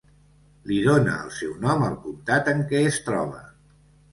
Li dóna el seu nom al comtat en què es troba.